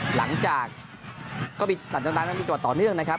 หลังจากก็มีจังหวัดต่อเนื่องนะครับ